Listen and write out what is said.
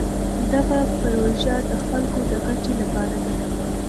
دغه پروژه د خلکو د ګټې لپاره ده.